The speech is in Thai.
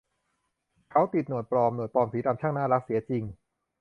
เขาติดหนวดปลอม หนวดปลอมสีดำ ช่างน่ารักเสียจริง